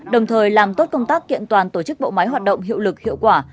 đồng thời làm tốt công tác kiện toàn tổ chức bộ máy hoạt động hiệu lực hiệu quả